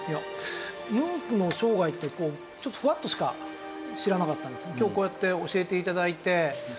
ムンクの生涯ってこうちょっとふわっとしか知らなかったんですけど今日こうやって教えて頂いて。